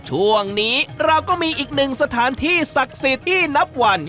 ช่วงนี้เราก็มีอีกหนึ่งสถานที่ศักดิ์สิทธิ์ที่นับวัน